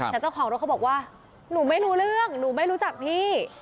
แต่เจ้าของรถเขาบอกว่าหนูไม่รู้เรื่องหนูไม่รู้จักพี่